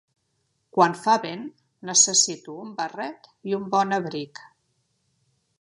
Quan fa vent necessito un barret i un bon abric.